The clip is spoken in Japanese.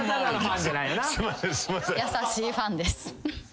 優しいファンです。